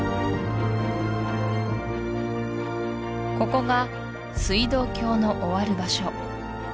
ここが水道橋の終わる場所